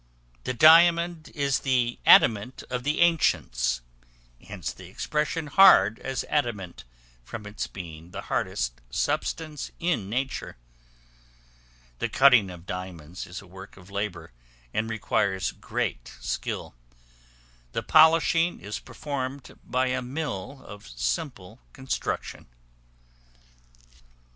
The diamond is the Adamant of the ancients; hence the expression "hard as adamant," from its being the hardest substance in nature. The cutting of diamonds is a work of labor, and requires great skill; the polishing is performed by a mill of simple construction.